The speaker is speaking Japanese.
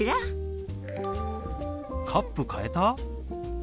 カップ変えた？